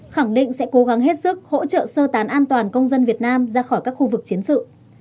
khẳng định sẽ cố gắng hết sức hỗ trợ sơ tán an toàn công dân việt nam ra khỏi các khu vực chiến sự